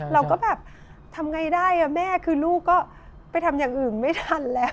เราก็แบบทำไงได้แม่คือลูกก็ไปทำอย่างอื่นไม่ทันแล้ว